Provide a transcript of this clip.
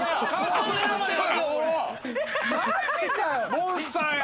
モンスターや！